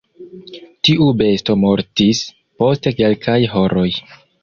Tiu besto mortis post kelkaj horoj.